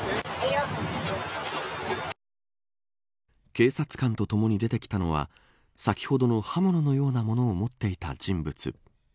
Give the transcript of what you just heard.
警察官とともに出てきたのは先ほどの刃物のようなものを持っていた人物。